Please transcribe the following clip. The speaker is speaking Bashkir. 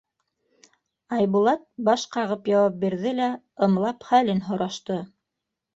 Айбулат баш ҡағып яуап бирҙе лә ымлап хәлен һорашты.